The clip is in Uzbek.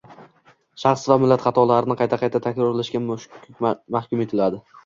Shaxs va millat xatolarni qayta-qayta takrorlashga mahkum etiladi.